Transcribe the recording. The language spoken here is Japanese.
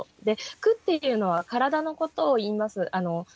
で「躯」っていうのは体のことをいいます。